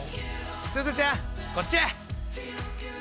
すずちゃんこっちや！